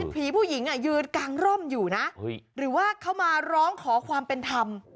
ผีผู้หญิงยืนกางร่มอยู่นะหรือว่าเขามาร้องขอความเป็นธรรม